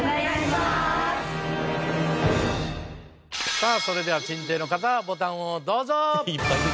さあそれでは珍定の方ボタンをどうぞ！